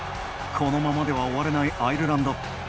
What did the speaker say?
このままでは終われないアイルランド。